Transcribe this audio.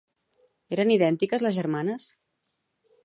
Eren idèntiques les germanes?